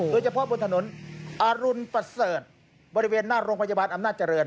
โดยเฉพาะบนถนนอรุณประเสริฐบริเวณหน้าโรงพยาบาลอำนาจเจริญ